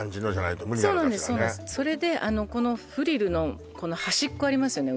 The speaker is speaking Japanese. それでこのフリルの端っこありますよね